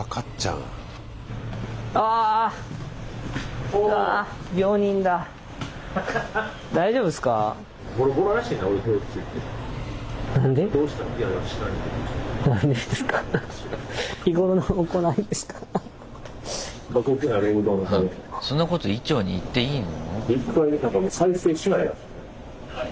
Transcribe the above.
そんなこと医長に言っていいの？